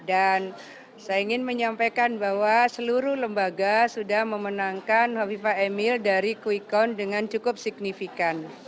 dan saya ingin menyampaikan bahwa seluruh lembaga sudah memenangkan bukal viva emil dari quickon dengan cukup signifikan